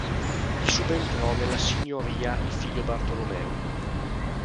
Gli subentrò nella signoria il figlio Bartolomeo.